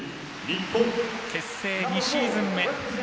結成２シーズン目。